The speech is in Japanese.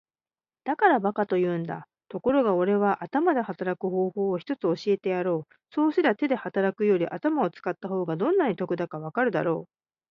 「だから馬鹿と言うんだ。ところがおれは頭で働く方法を一つ教えてやろう。そうすりゃ手で働くより頭を使った方がどんなに得だかわかるだろう。」